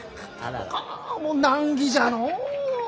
あもう難儀じゃのう。